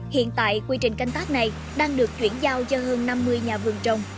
hiện tại quy trình canh tác này đang được chuyển giao cho hơn năm mươi nhà vườn trồng